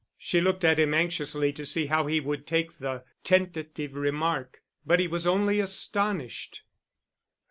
She looked at him anxiously to see how he would take the tentative remark: but he was only astonished.